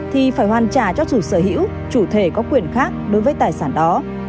thì phải hoàn trả cho chủ sở hữu chủ thể có quyền khác đối với tài sản đó